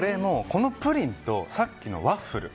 このプリンとさっきのワッフル。